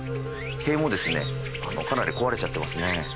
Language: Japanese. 塀もですねかなり壊れちゃってますね。